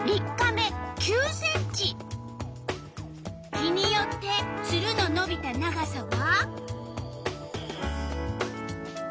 日によってツルののびた長さは？